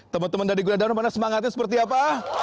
teman teman dari gunadharma mana semangatnya seperti apa